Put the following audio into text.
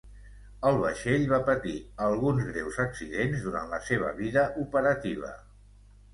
El vaixell va patir alguns greus accidents durant la seva vida operativa.